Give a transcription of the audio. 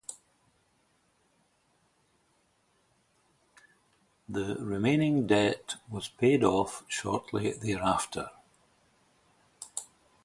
The remaining debt was paid off shortly thereafter.